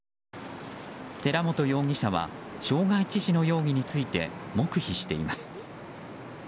寺本容疑者は傷害致死の容疑について黙秘しています。